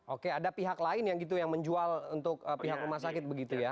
oke ada pihak lain yang gitu yang menjual untuk pihak rumah sakit begitu ya